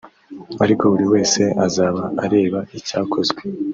ariko buri wese azaba areba icyakozwe